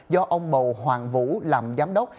do ông bầu hoàng vũ làm giám đốc